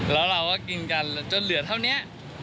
แล้วเราก็กินกันจนเหลือเท่านี้